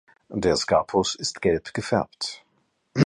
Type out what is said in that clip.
Der Scapus ist gelb gefärbt.